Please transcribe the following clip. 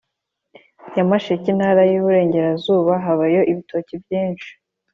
nyamasheke intara y iburengerazuba habayo ibitoki byishi